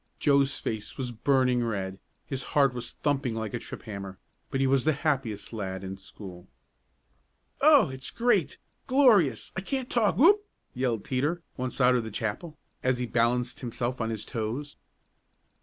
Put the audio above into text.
Joe's face was burning red, his heart was thumping like a trip hammer, but he was the happiest lad in school. "Oh, it's great! Glorious! I can't talk! Whoop!" yelled Teeter, once out of chapel, as he balanced himself on his toes.